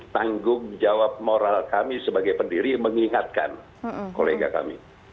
tanggung jawab moral kami sebagai pendiri mengingatkan kolega kami